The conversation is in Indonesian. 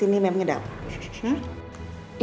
itu itu makanan yang akan kita tanam